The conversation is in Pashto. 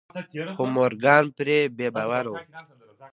خو مورګان پرې بې باوره و.